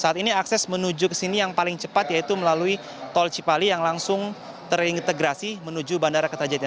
saat ini akses menuju ke sini yang paling cepat yaitu melalui tol cipali yang langsung terintegrasi menuju bandara kertajati